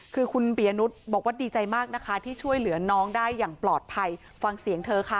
คือคุณปียนุษย์บอกว่าดีใจมากนะคะที่ช่วยเหลือน้องได้อย่างปลอดภัยฟังเสียงเธอค่ะ